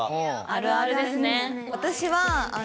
あるあるですね。